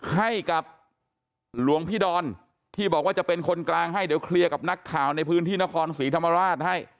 ให้กับหลวงพี่ดอนที่บอกว่าจะเป็นคนกลางให้เดี๋ยวเคลียร์กับนักข่าวในพื้นที่นครศรีธรรมราชให้